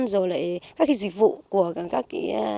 rồi lại các dịch vụ của các gia đình